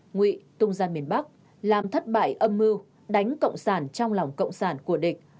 ngụy tung ra miền bắc làm thất bại âm mưu đánh cộng sản trong lòng cộng sản của địch